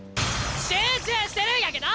集中してるんやけど！